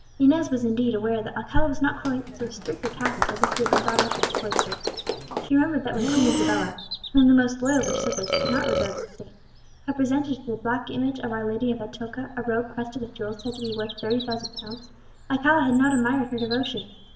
Inez was, indeed, aware that Alcala was not quite so strict a Catholic as if he had been brought up in a cloister. She remembered that when Queen Isabella (whom the most loyal of her subjects could not regard as a saint) had presented to the black image of our Lady of Atocha a robe crusted with jewels said to be worth thirty thousand pounds, Alcala had not admired her devotion.